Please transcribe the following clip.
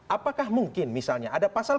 apakah mungkin misalnya ada pasal